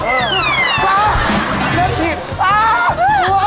เออเล่นผิดเล่นผิด